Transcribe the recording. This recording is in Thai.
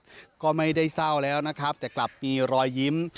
ตอนนี้ก็ไม่ได้เศร้าแล้วแต่กลับมีรอยยิ้ม